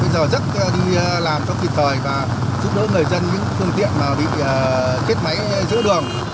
bây giờ rất đi làm trong kịp thời và giúp đỡ người dân những phương tiện mà bị chết máy giữa đường